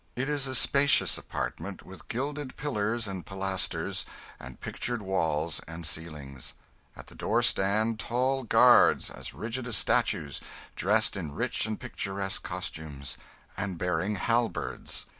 It is a spacious apartment, with gilded pillars and pilasters, and pictured walls and ceilings. At the door stand tall guards, as rigid as statues, dressed in rich and picturesque costumes, and bearing halberds.